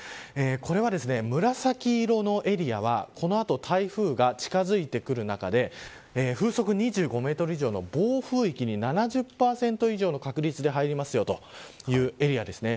これは、紫色のエリアはこの後、台風が近づいてくる中で風速２５メートル以上の暴風域に７０％以上の確率で入りますよというエリアです。